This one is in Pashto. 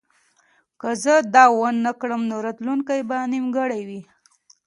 که زه دا ونه کړم نو راتلونکی به نیمګړی وي